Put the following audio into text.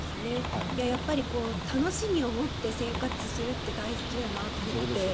やっぱり楽しみを持って生活するって大事だなと思って。